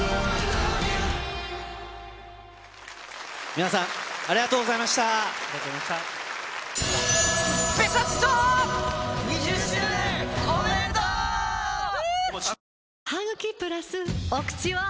皆さん、ありがとうございまお口は！